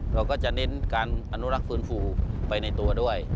เราก็จะเน้นการอนุรักษ์ฟื้นฟูไปในตัวด้วย